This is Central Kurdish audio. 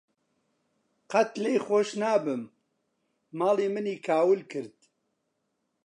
قەت لێی خۆش نابم، ماڵی منی کاول کرد.